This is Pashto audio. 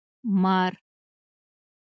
🪱 مار